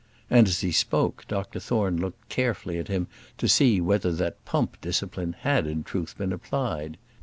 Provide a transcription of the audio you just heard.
And as he spoke, Dr Thorne looked carefully at him to see whether that pump discipline had in truth been applied.